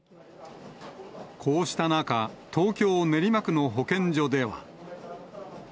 こうした中、東京・練馬区の保健所では。